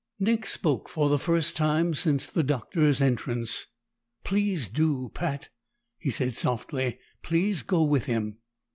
Nick spoke for the first time since the Doctor's entrance. "Please do, Pat," he said softly. "Please go with him."